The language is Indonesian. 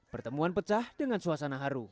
pertemuan pecah dengan suasana haru